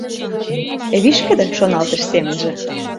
«Вишкыде, — шоналтыш семынже.